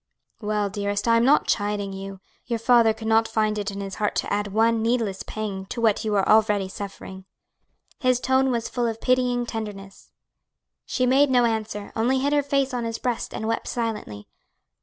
"Well, dearest, I am not chiding you; your father could never find it in his heart to add one needless pang to what you are already suffering." His tone was full of pitying tenderness. She made no answer; only hid her face on his breast and wept silently.